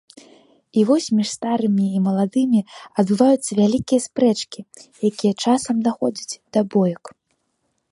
І вось між старымі і маладымі адбываюцца вялікія спрэчкі, якія часам даходзяць да боек.